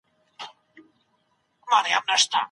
که منځګړي په روغه کي بريالي نسي څه بايد وکړي؟